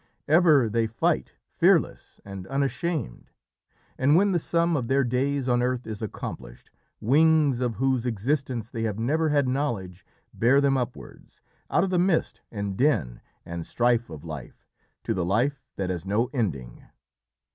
Ever they fight, fearless and unashamed, and when the sum of their days on earth is accomplished, wings, of whose existence they have never had knowledge, bear them upwards, out of the mist and din and strife of life, to the life that has no ending."